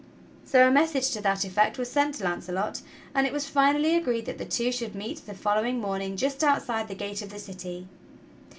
So a message to that effect was sent t3 Launcelot, and it was finally agreed that the two should meet the following morning just outside the gate of the city.